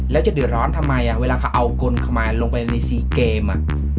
แล้วจะเดือดร้อนทำไมเวลาเขาเอากลขมาลงไปใน๔เกม